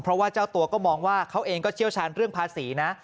เพราะว่าเจ้าตัวก็มองว่าเขาเองก็เชี่ยวชาญเรื่องภาษีนะ